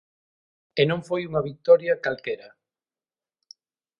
E non foi unha vitoria calquera.